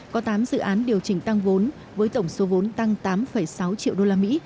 có tám dự án điều chỉnh tăng vốn với tổng số vốn tăng tám sáu triệu usd